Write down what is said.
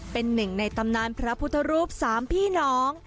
เป็นหนึ่งในตำนานพระพุทธรูปสามพี่น้อง